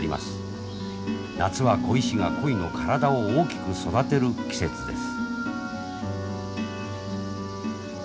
夏は鯉師が鯉の体を大きく育てる季節です。